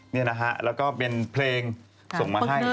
นี่นะฮะแล้วก็เป็นเพลงส่งมาให้